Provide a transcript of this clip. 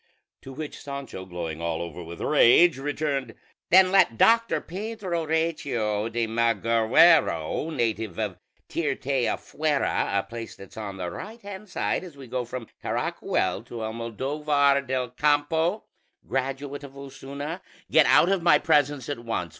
To which Sancho, glowing all over with rage, returned, "Then let Doctor Pedro Recio de Mal aguero, native of Tirteafuera, a place that's on the right hand side as we go from Caracuel to Almodóvar del Campo, graduate of Osuna, get out of my presence at once!